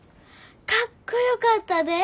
かっこよかったで。